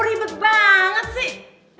riebe banget sih